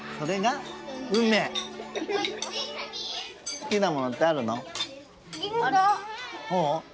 すきなものってあるの？